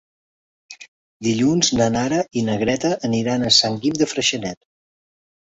Dilluns na Nara i na Greta aniran a Sant Guim de Freixenet.